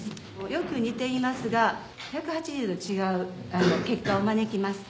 よく似ていますが１８０度違う結果を招きます。